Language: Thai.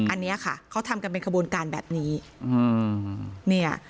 อันเนี้ยค่ะเขาทำกันเป็นขบูรณ์การแบบนี้